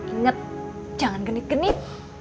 ingat jangan genit genit